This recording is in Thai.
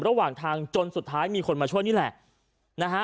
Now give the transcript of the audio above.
ระหว่างทางจนสุดท้ายมีคนมาช่วยนี่แหละนะฮะ